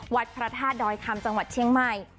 วัดพระธาตุดอยคำจังหวัดเชียงใหม่